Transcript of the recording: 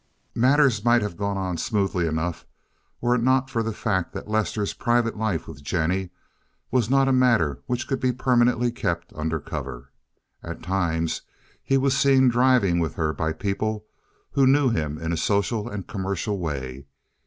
Matters might have gone on smoothly enough were it not for the fact that Lester's private life with Jennie was not a matter which could be permanently kept under cover. At times he was seen driving with her by people who knew him in a social and commercial way.